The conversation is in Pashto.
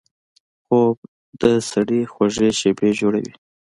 خوب د سړي خوږې شیبې جوړوي